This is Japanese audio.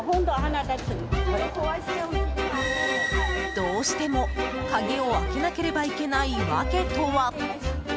どうしても鍵を開けなければいけない訳とは。